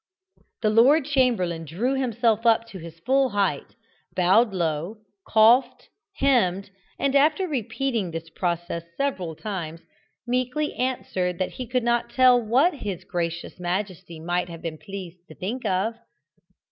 The Lord Chamberlain drew himself up to his full height, bowed low, coughed, hemmed, and, after repeating this process several times, meekly answered that he could not tell what his gracious majesty might have been pleased to think of.